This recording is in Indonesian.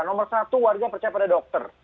nomor satu warga percaya pada dokter